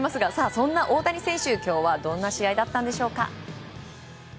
そんな大谷選手、今日はどんな試合だったんでしょうか。